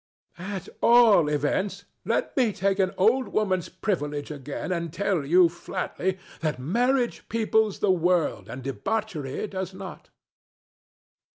ANA. At all events, let me take an old woman's privilege again, and tell you flatly that marriage peoples the world and debauchery does not.